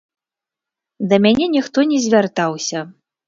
Да мяне ніхто не звяртаўся.